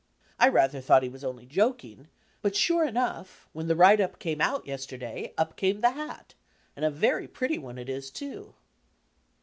I rather thought he was only joking, but sure enough, when the write up came out yesterday, up came the hat, and a very pretty one it is too.